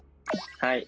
はい。